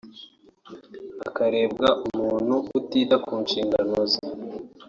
hakarebwa umuntu utita ku nshingano ze